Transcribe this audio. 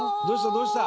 どうした？